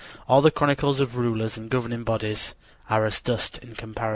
All the chronicles of rulers and governing bodies are as dust in comparison.